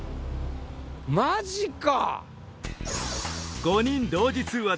マジか。